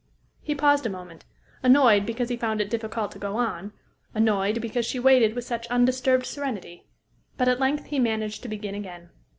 He paused a moment, annoyed because he found it difficult to go on; annoyed because she waited with such undisturbed serenity. But at length he managed to begin again.